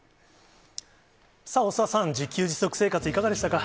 さあ、大澤さん、自給自足生活、いかがでしたか？